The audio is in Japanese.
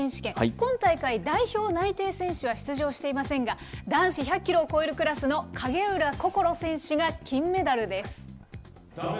今大会、代表内定選手は出場していませんが、男子１００キロを超えるクラスの影浦心選手が金メダルです。